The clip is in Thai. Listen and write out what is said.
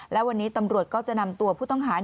และวันนี้ตำรวจก็จะนำตัวผู้ต้องหา